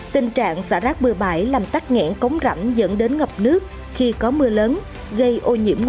tình trạng xả rác bừa bãi làm tắt ngẽn cống rãnh dẫn đến ngập nước khi có mưa lớn gây ô nhiễm